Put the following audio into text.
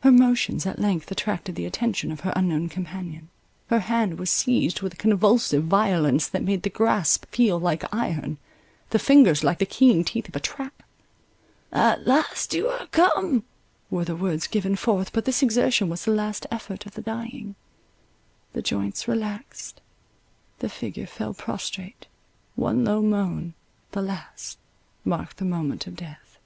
Her motions at length attracted the attention of her unknown companion; her hand was seized with a convulsive violence that made the grasp feel like iron, the fingers like the keen teeth of a trap.—"At last you are come!" were the words given forth—but this exertion was the last effort of the dying—the joints relaxed, the figure fell prostrate, one low moan, the last, marked the moment of death.